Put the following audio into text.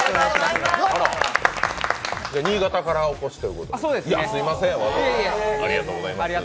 新潟からお越しということですみません、ありがとうございます。